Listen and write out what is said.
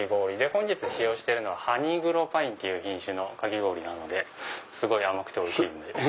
本日使用してるのはハニーグローパインっていう品種なのですごい甘くておいしいんで。